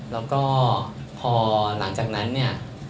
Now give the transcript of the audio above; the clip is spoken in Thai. แล้วก็พอหลังจากนั้นเนี่ย